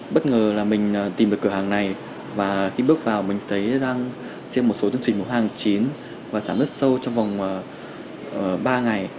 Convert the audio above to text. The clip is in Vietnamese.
bất ngờ là mình tìm được cửa hàng này và khi bước vào mình thấy đang siêu một số chương trình của hàng chín và giảm rất sâu trong vòng ba ngày